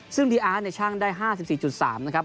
ซึ่งพี่อาร์ดเนี่ยชั่งได้๕๔๓นะครับ